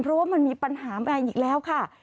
เพราะว่ามันมีปัญหามาอีกแล้วค่ะ